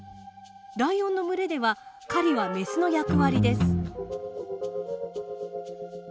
ライオンの群れでは狩りはメスの役割です。